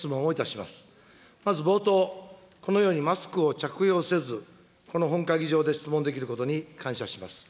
まず冒頭、このようにマスクを着用せず、この本会議場で質問できることに感謝します。